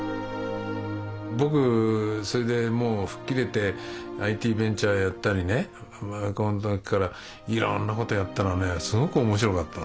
僕それでもう吹っ切れてＩＴベンチャーやったりねいろんなことやったらねすごく面白かった。